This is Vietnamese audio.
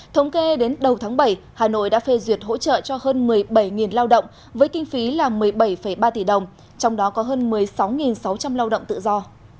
thống kê đến đầu tháng bảy hà nội đã phê duyệt hỗ trợ cho hơn một mươi bảy lao động với kinh phí là một mươi bảy ba tỷ đồng trong đó có hơn một mươi sáu sáu trăm linh lao động tự do